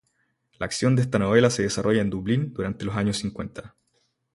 La acción de esta novela se desarrolla en Dublín durante los años cincuenta.